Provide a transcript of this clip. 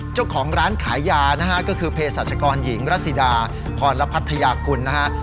เจ้าของร้านขายยานะฮะก็คือเพศรัชกรหญิงรัสสิดาพรพัทยากุลนะฮะ